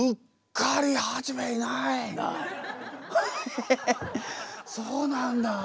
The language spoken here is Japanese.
ええそうなんだ。